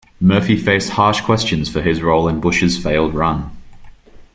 Murphy faced harsh questions for his role in Bush's failed run.